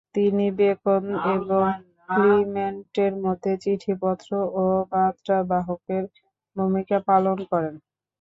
তিনি বেকন এবং ক্লিমেন্টের মধ্যে চিঠিপত্র ও বার্তাবাহকের ভূমিকা পালন করেন।